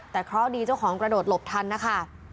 แต่เคราะห์ดีเจ้าของกระโดดหลบทันนะคะ